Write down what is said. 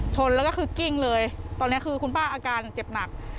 ชนแล้วก็คือกิ้งเลยตอนนี้คือคุณป้าอาการเจ็บหนัก